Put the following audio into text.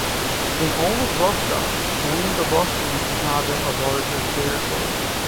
In all of Russia only the Russians inhabit a larger territory.